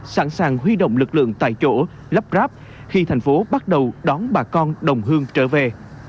sẵn sàng huy động lực lượng tại chỗ lắp ráp khi thành phố bắt đầu đón bà con đồng hương trở về